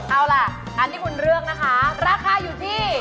เอาล่ะอันที่คุณเลือกนะคะราคาอยู่ที่